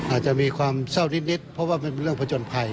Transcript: อาจจะมีความเศร้านิดเพราะว่ามันเป็นเรื่องผจญภัย